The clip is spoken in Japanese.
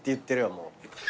もう。